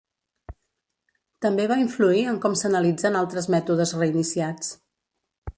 També va influir en com s'analitzen altres mètodes reiniciats.